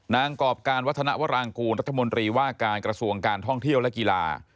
กรอบการวัฒนวรางกูลรัฐมนตรีว่าการกระทรวงการท่องเที่ยวและกีฬา